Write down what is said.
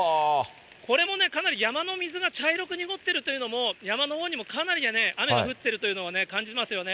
これもね、かなり山の水が茶色く濁っているというのも、山のほうにもかなり雨が降ってるというのを感じますよね。